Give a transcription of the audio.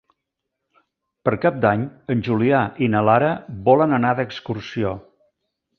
Per Cap d'Any en Julià i na Lara volen anar d'excursió.